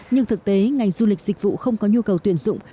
nhưng thực tế ngành du lịch dịch vụ không có nhu cầu tuyển dụng